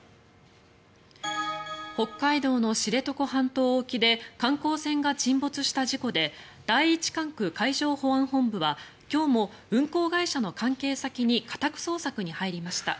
北海道の知床半島沖で観光船が沈没した事故で第一管区海上保安本部は今日も運航会社の関係先に家宅捜索に入りました。